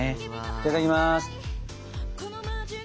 いただきます。